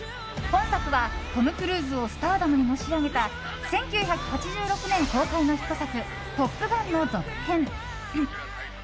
本作はトム・クルーズをスターダムにのし上げた１９８６年公開のヒット作「トップガン」の続編。